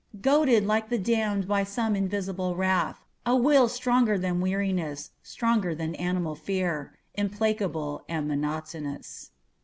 Goaded like the damned by some invisible wrath, A will stronger than weariness, stronger than animal fear, Implacable and monotonous.